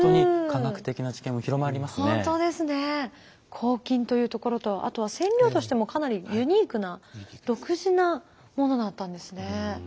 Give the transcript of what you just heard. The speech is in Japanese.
抗菌というところとあとは染料としてもかなりユニークな独自なものだったんですね。